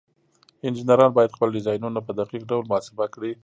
انجینران باید خپل ډیزاینونه په دقیق ډول محاسبه کړي.